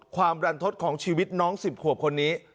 ความรันทศของชีวิตน้อง๑๐ขวบคนนี้